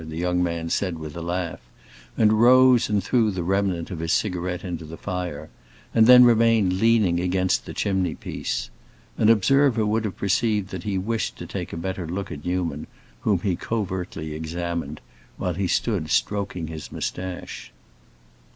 the young man said with a laugh, and rose and threw the remnant of his cigarette into the fire, and then remained leaning against the chimney piece. An observer would have perceived that he wished to take a better look at Newman, whom he covertly examined, while he stood stroking his moustache.